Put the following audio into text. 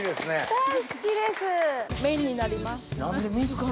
大好きです！